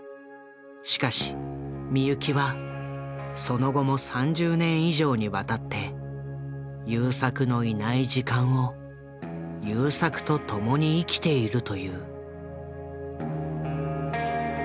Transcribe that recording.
しかし美由紀はその後も３０年以上にわたって優作のいない時間を優作と共に生きているという。